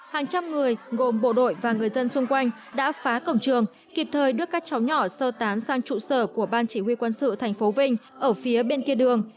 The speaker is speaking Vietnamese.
hàng trăm người gồm bộ đội và người dân xung quanh đã phá cổng trường kịp thời đưa các cháu nhỏ sơ tán sang trụ sở của ban chỉ huy quân sự tp vinh ở phía bên kia đường